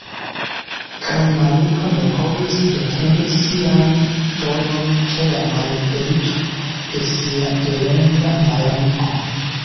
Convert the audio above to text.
Kaj Maluto ne povis deteni sian ĝojon ĉe la malfeliĉo de sia delonga malamiko.